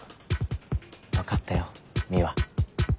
分かったよ美和。